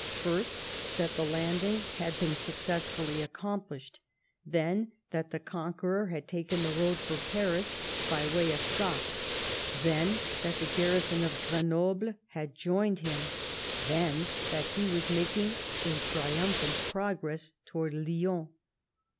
First that the landing had been successfully accomplished ; then that the conqueror had taken the road for Paris by way of Gap ; then that the garrison of Grenoble had joined him ; then, that he was making a triumphant progress towards Lyons.